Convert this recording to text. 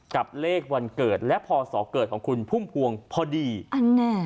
กับเลขวันเกิดและพศเกิดของคุณพุ่มพวงพอดีอันแน่